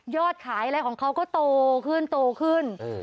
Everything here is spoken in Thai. ยอดขายอะไรของเขาก็โตขึ้น